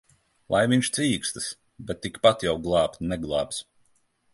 Lai viņš cīkstas! Bet tikpat jau glābt neglābs.